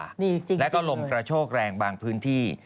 ดีจริงแล้วก็ลมกระโชกแรงบางพื้นที่